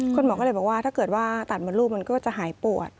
คุณหมอก็เลยบอกว่าถ้าเกิดว่าตัดมดลูกมันก็จะหายปวด